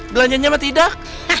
belanjanya mah tidak